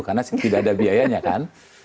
karena tidak ada biayanya kan